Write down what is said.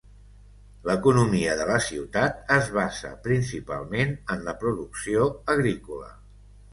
L'economia de la ciutat es basa principalment en la producció agrícola.